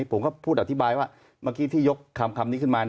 ผมก็พูดอธิบายว่าเมื่อกี้ที่ยกคำนี้ขึ้นมา